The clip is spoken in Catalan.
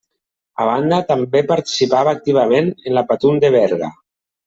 A banda també participava activament en la Patum de Berga.